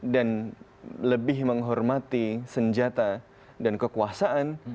dan lebih menghormati senjata dan kekuasaan